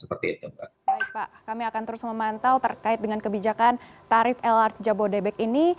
baik pak kami akan terus memantau terkait dengan kebijakan tarif lrt jabodebek ini